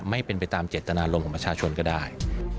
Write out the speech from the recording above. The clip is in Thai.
ไม่เป็นไปตามเจตนารมณ์ของประชาชนก็ได้